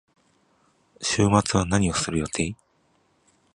週末は何をする予定？